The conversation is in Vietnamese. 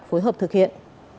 phối hợp thực hiện